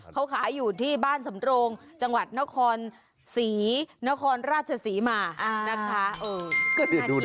เขาขายอยู่ที่บ้านสำโรงจังหวัดนครศรีนครราชศรีมานะคะ